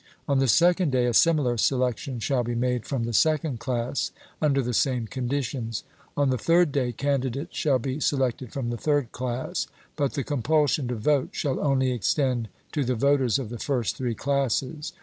On the second day a similar selection shall be made from the second class under the same conditions. On the third day, candidates shall be selected from the third class; but the compulsion to vote shall only extend to the voters of the first three classes.